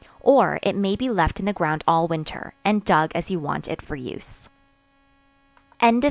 Or it may be left in the ground all winter, and dug as you want it for use. BREAD, &c.